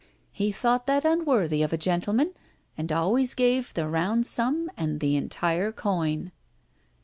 He thought that unworthy of a gentleman, and always gave the round sum and the entire coin."